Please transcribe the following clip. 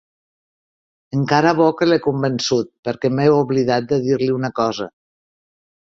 Encara bo que l'he convençut, perquè m'he oblidat de dir-li una cosa.